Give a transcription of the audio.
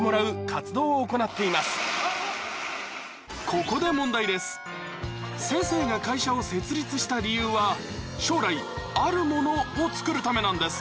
ここで先生が会社を設立した理由は将来あるものを作るためなんです